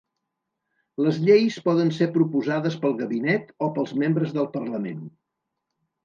Les lleis poden ser proposades pel gabinet o pels membres del parlament.